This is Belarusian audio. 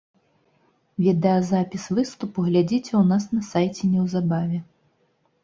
Відэазапіс выступу глядзіце ў нас на сайце неўзабаве.